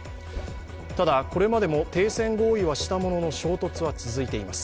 ただ、これまでも停戦合意はしたものの衝突は続いています。